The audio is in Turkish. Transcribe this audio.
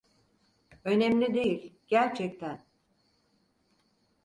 Önemli değil, gerçekten.